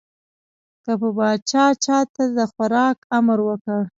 که به پاچا چا ته د خوراک امر وکړ.